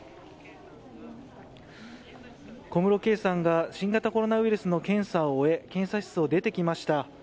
小室圭さんが新型コロナウイルスの検査を終え検査室を出てきました。